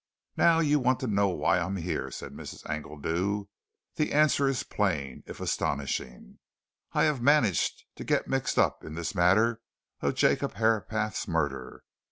"Now you want to know why I am here," said Mrs. Engledew. "The answer is plain if astonishing. I have managed to get mixed up in this matter of Jacob Herapath's murder!